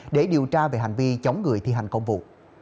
để điều tra về hành vi chống người thi hành công vụ